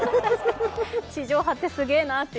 地上波ってすげぇなって。